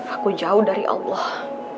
aku jauh dari allah